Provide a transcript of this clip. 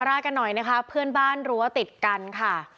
ราดกันหน่อยนะคะเพื่อนบ้านรั้วติดกันค่ะ